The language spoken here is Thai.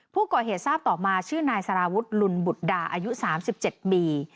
ผู้ก่อเหตุทราบต่อมาชื่อนายสารวุฒิลุนบุตรดาอายุ๓๗ปี